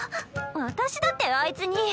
私だってあいつに。